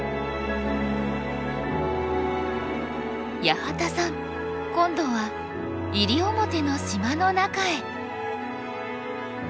八幡さん今度は西表の島の中へ。